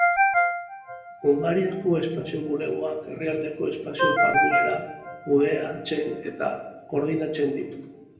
Hungariako Espazio Bulegoak herrialdeko espazio-jarduerak kudeatzen eta koordinatzen ditu.